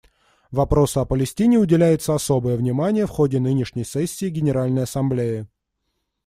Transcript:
Вопросу о Палестине уделяется особое внимание в ходе нынешней сессии Генеральной Ассамблеи.